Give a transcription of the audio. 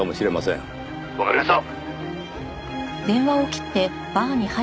「わかりました！」